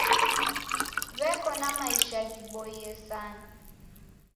W'eko na maisha ghiboie sana.